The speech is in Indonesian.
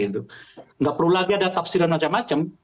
tidak perlu lagi ada tafsiran macam macam